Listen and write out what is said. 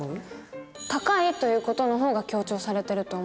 「高い」という事の方が強調されてると思う。